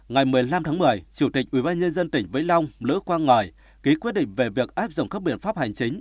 ngày một mươi năm tháng một mươi chủ tịch ubnd tỉnh vĩnh long lữ quang ngòi ký quyết định về việc áp dụng các biện pháp hành chính